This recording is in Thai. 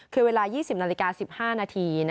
คือเวลา๒๐นาฬิกา๑๕นาที